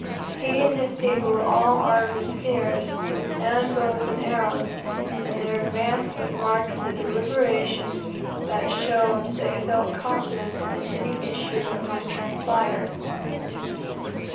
He and his people were all armed with spears, and bows and arrows, and their advance was marked with a deliberation that showed they felt confidence in any issue that might transpire.